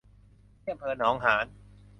ที่อำเภอหนองหาน